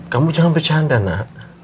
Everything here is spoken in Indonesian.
kamu jangan bercanda nak